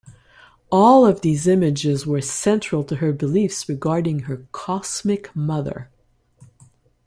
All of these images were central to her beliefs regarding her "Cosmic Mother".